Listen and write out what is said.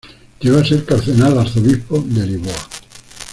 Llegó a ser cardenal-arzobispo de Lisboa.